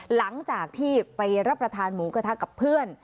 หลังจากที่ไปรับประทานหมูกระทะกับเพื่อน